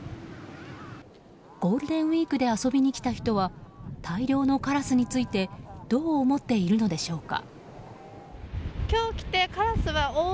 ゴールデンウィークで遊びに来た人は大量のカラスについてどう思っているのでしょうか。